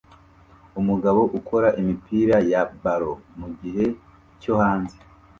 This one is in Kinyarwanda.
Umugabo ukora imipira ya ballon mugihe cyo hanze